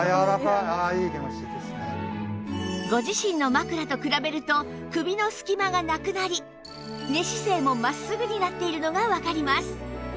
ご自身の枕と比べると首の隙間がなくなり寝姿勢も真っすぐになっているのがわかります